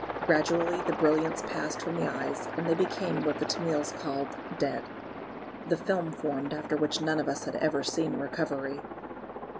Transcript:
Gradually the brilliance passed from the eyes, and they became what the Tamils call "dead." The film formed after which none of us had ever seen recovery.